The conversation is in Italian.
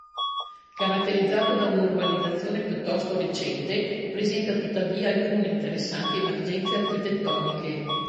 Caratterizzato da un'urbanizzazione piuttosto recente, presenta tuttavia alcune interessanti emergenze architettoniche.